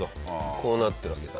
こうなってるわけか。